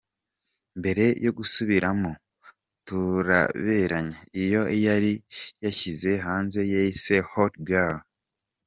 Mbere yo gusubiramo ‘Turaberanye’, iyo yari yashyize hanze yayise ‘Hot Girl’.